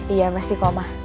iya pasti kok mah